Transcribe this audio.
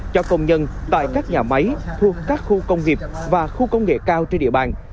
cho công nhân tại các nhà máy thuộc các khu công nghiệp và khu công nghệ cao trên địa bàn